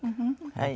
はい。